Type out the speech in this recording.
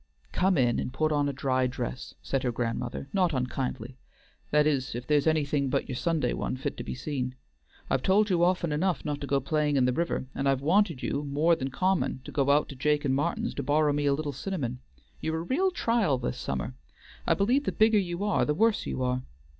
"Come in, and put on a dry dress," said her grandmother, not unkindly; "that is, if there's anything but your Sunday one fit to be seen. I've told you often enough not to go playin' in the river, and I've wanted you more than common to go out to Jake and Martin's to borrow me a little cinnamon. You're a real trial this summer. I believe the bigger you are the worse you are.